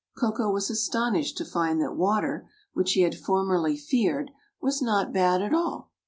Koko was astonished to find that water, which he had formerly feared, was not bad at all.